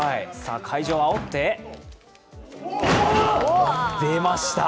会場あおって、出ました。